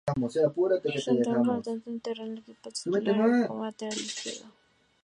Staunton, por lo tanto, entró en el equipo titular del Liverpool como lateral izquierdo.